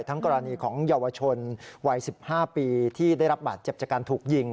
กรณีของเยาวชนวัย๑๕ปีที่ได้รับบาดเจ็บจากการถูกยิง